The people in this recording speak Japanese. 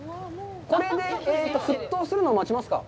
これで沸騰するのを待ちますか？